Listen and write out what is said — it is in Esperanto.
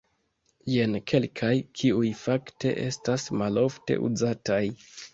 Jen kelkaj, kiuj fakte estas malofte uzataj.